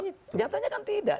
nyatanya kan tidak